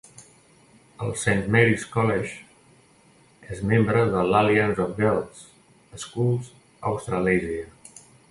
El Saint Mary's College és membre de l'Alliance of Girls' Schools Australasia.